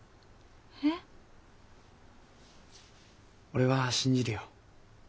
俺は信じるよ。